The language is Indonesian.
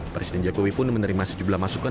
presiden jokowi pun menerima sejumlah masukan